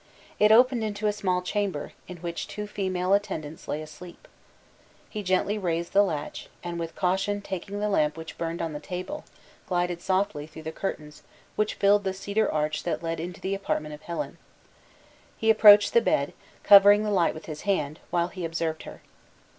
It opened into a small chamber, in which two female attendants lay asleep. He gently raised the latch, and, with caution taking the lamp which burned on the table, glided softly through the curtains which filled the cedar arch that led into the apartment of Helen. He approached the bed, covering the light with his hand, while he observed her.